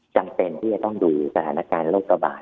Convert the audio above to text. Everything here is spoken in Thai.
จำเป็นที่จะต้องดูสถานการณ์โรคระบาด